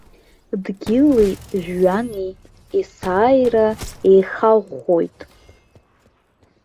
Дгьыли жәҩани есааира еихаӷәӷәоит.